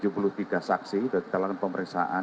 itu tiga saksi itu telah pemeriksaan